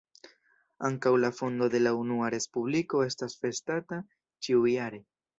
Ankaŭ la fondo de la Unua Respubliko estas festata ĉiujare.